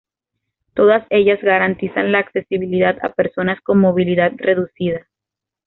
Todas ellas garantizan la accesibilidad a personas con movilidad reducida.